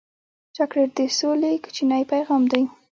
چاکلېټ د سولې کوچنی پیغام دی.